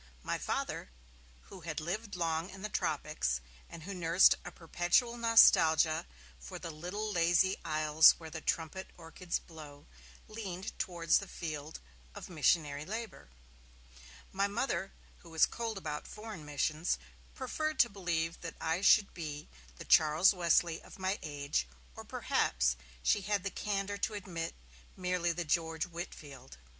My Father, who had lived long in the Tropics, and who nursed a perpetual nostalgia for 'the little lazy isles where the trumpet orchids blow', leaned towards the field of missionary labour. My Mother, who was cold about foreign missions, preferred to believe that I should be the Charles Wesley of my age, 'or perhaps', she had the candour to admit, 'merely the George Whitefield'.